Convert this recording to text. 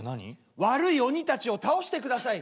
「悪い鬼たちを倒してください」。